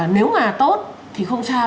nếu mà tốt thì không sao